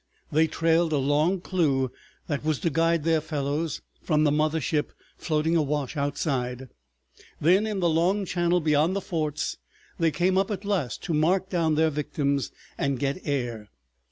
They trailed a long clue that was to guide their fellows from the mother ship floating awash outside. Then in the long channel beyond the forts they came up at last to mark down their victims and get air.